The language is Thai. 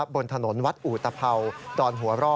บนถนนวัดอุตภัวดอนหัวร่อ